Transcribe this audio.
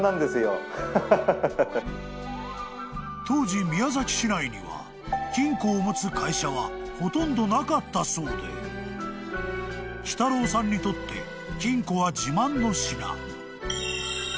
［当時宮崎市内には金庫を持つ会社はほとんどなかったそうで喜太郎さんにとって金庫は自慢の品］